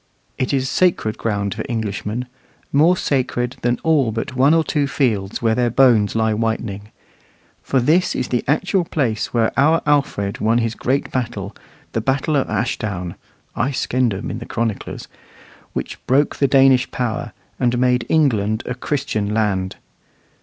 It is sacred ground for Englishmen more sacred than all but one or two fields where their bones lie whitening. For this is the actual place where our Alfred won his great battle, the battle of Ashdown ("Aescendum" in the chroniclers), which broke the Danish power, and made England a Christian land.